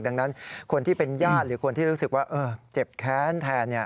ดังนั้นคนที่เป็นญาติหรือคนที่รู้สึกว่าเจ็บแค้นแทน